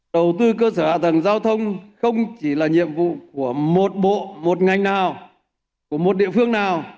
đầu tư cơ sở hạ tầng giao thông không chỉ là nhiệm vụ của một bộ một ngành nào của một địa phương nào